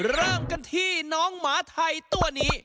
เริ่มกันที่น้องหมาไทยตัวนี้